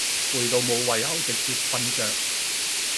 攰到無胃口直接瞓著